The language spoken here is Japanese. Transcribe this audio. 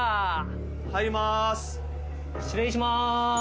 失礼します！